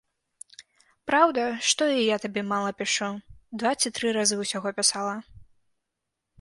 Праўда, што і я табе мала пішу, два ці тры разы ўсяго пісала.